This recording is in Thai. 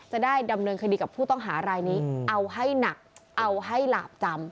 จะได้ดำเนินคดีกับผู้ต้องหารายนี้เอาให้หนักเอาให้หลาบจำ